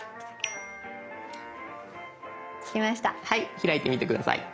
開いてみて下さい。